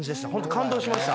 感動しました。